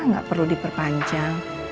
gak perlu diperpanjang